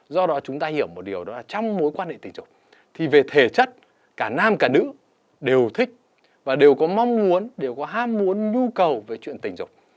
do đó chúng ta hiểu một điều đó là trong mối quan hệ tình dục thì về thể chất cả nam cả nữ đều thích và đều có mong muốn đều có ham muốn nhu cầu về chuyện tình dục